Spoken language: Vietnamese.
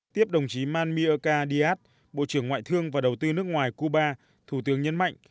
tiếp đồng chí manmirka diat bộ trưởng ngoại thương và đầu tư nước ngoài cuba thủ tướng nhấn mạnh